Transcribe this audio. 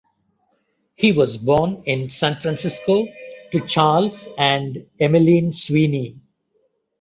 He was born in San Francisco to Charles and Emeline Sweeny.